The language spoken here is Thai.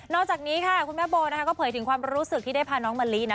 จากนี้ค่ะคุณแม่โบนะคะก็เผยถึงความรู้สึกที่ได้พาน้องมะลินะ